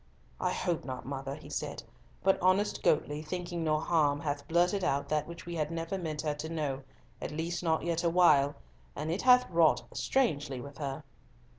"I hope not, mother," he said, "but honest Goatley, thinking no harm, hath blurted out that which we had never meant her to know, at least not yet awhile, and it hath wrought strangely with her."